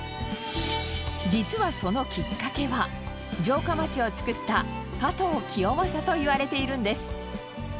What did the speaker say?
実はそのきっかけは城下町をつくった加藤清正といわれているんです。